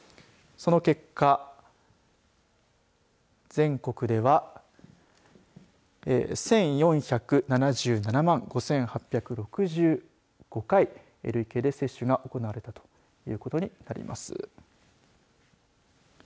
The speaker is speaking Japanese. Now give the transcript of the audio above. その結果、全国では１４７７万５８６５回累計で接種が行われたということになります。